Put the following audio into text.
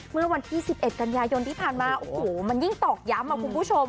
เมื่อวันที่๑๑กันยายนที่ผ่านมาโอ้โหมันยิ่งตอกย้ำอ่ะคุณผู้ชม